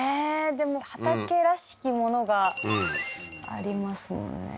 でも畑らしきものがありますもんね